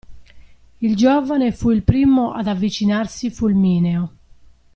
Il giovane fu il primo ad avvicinarsi fulmineo.